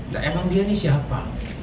nah emang dia ini siapa